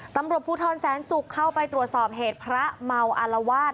ตำรวจภูทรแสนศุกร์เข้าไปตรวจสอบเหตุพระเมาอารวาส